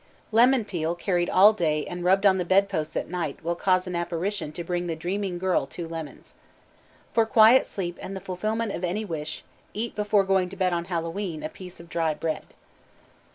Lemon peel carried all day and rubbed on the bed posts at night will cause an apparition to bring the dreaming girl two lemons. For quiet sleep and the fulfilment of any wish eat before going to bed on Hallowe'en a piece of dry bread.